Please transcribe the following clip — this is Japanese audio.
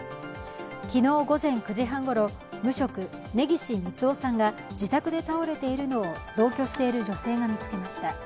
昨日午前９時半ごろ、無職根岸三男さんが自宅で倒れているのを同居している女性が見つけました。